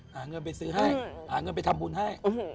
หาเงินไปซื้อให้หาเงินไปทำบุญให้